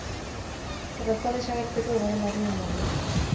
Arraza desagertzeko egoera larrian dago.